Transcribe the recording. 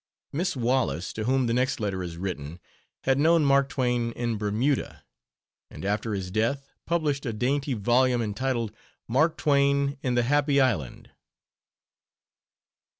Miss Wallace, to whom the next letter is written, had known Mark Twain in Bermuda, and, after his death, published a dainty volume entitled Mark Twain in the Happy Island.